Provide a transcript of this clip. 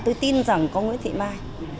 tôi tin rằng có nguyễn thị mai